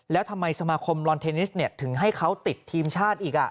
แล้วทำไมสมาคมลอนเทนนิสถึงให้เขาติดทีมชาติอีก